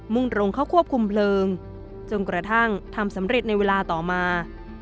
่งตรงเข้าควบคุมเพลิงจนกระทั่งทำสำเร็จในเวลาต่อมา